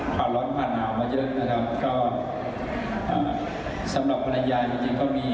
ความร้อนผ่านหนาวมาเยอะนะครับก็อ่าสำหรับภรรยาจริงจริงก็มี